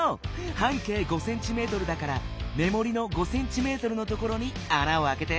半径５ｃｍだからめもりの５ｃｍのところにあなをあけて。